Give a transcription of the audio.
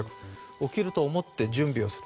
起きると思って準備をする。